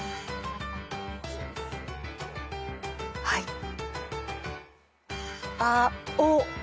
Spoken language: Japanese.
はい。